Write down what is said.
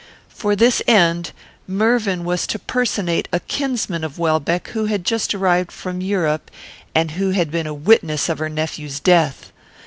For this end, Mervyn was to personate a kinsman of Welbeck who had just arrived from Europe, and who had been a witness of her nephew's death.